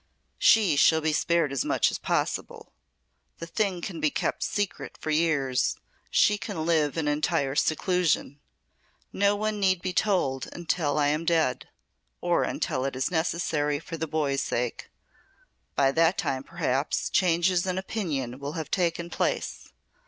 She shall be spared as much as possible. The thing can be kept secret for years. She can live in entire seclusion. No one need be told until I am dead or until it is necessary for the boy's sake. By that time perhaps changes in opinion will have taken place.